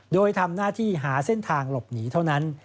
โดยทำหน้าที่หาเส้นทางหลบหนีเท่านั้น